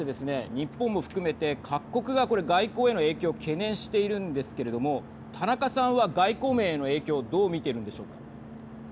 日本も含めて各国がこれ外交への影響懸念しているんですけれども田中さんは外交面への影響をどう見てるんでしょうか。